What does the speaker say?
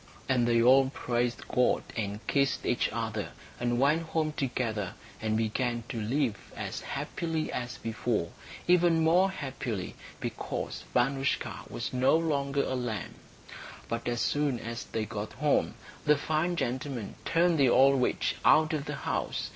And they all praised God and kissed each other, and went home together, and began to live as happily as before, even more happily, because Vanoushka was no longer a lamb. But as soon as they got home the fine gentleman turned the old witch out of the house.